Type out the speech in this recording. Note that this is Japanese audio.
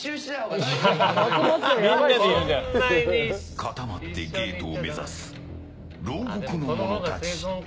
固まってゲートを目指す牢獄の者たち。